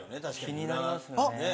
気になりますよね。